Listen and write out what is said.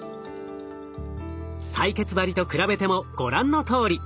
採血針と比べてもご覧のとおり。